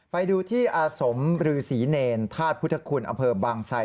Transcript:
ไปดูที่อสมฤษีเนรธาตุพุทธคุณอำเภอบางชัย